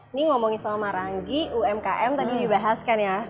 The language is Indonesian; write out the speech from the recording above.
ini ngomongin soal marangi umkm tadi dibahaskan ya